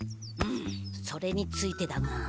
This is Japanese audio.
うむそれについてだが。